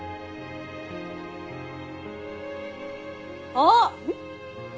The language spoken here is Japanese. あっ！